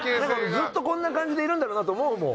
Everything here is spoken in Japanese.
ずっとこんな感じでいるんだろうなと思うもん。